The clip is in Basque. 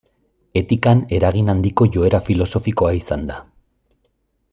Etikan eragin handiko joera filosofikoa izan da.